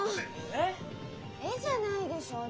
「えっ？」じゃないでしょう。